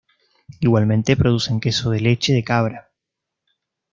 Igualmente producen queso de leche de cabra.